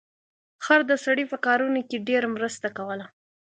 خر د سړي په کارونو کې ډیره مرسته کوله.